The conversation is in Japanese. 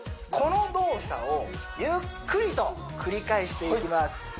この動作をゆっくりと繰り返していきます